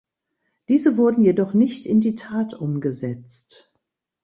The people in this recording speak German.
Diese wurden jedoch nicht in die Tat umgesetzt.